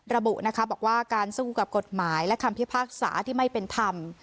ระบุนะคะบอกว่าการสู้กับกฎหมายและคำพิพากษาที่ไม่เป็นธรรม